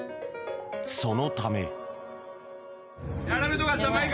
そのため。